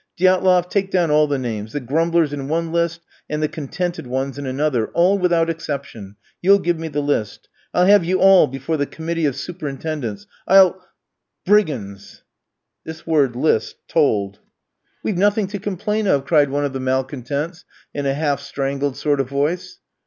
Diatloff, take down all the names, the grumblers in one list and the contented ones in another all, without exception; you'll give me the list. I'll have you all before the Committee of Superintendence.... I'll ... brigands!" This word "list" told. "We've nothing to complain of!" cried one of the malcontents, in a half strangled sort of voice.